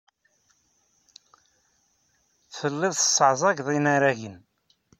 Tellid tesseɛẓaged inaragen.